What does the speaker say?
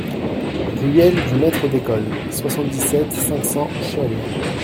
Ruelle du Maître d'École, soixante-dix-sept, cinq cents Chelles